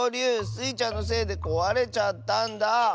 スイちゃんのせいでこわれちゃったんだ。